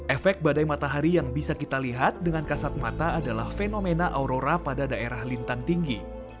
efek badai matahari yang bisa kita lihat dengan kasat mata adalah fenomena aurora pada daerah lintang tinggi